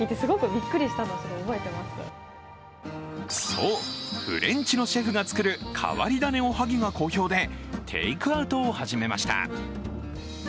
そう、フレンチのシェフが作る変わり種おはぎが好評でテイクアウトを始めました。